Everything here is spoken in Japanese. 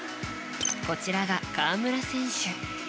こちらが河村選手。